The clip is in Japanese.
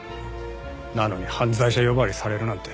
なのに犯罪者呼ばわりされるなんて。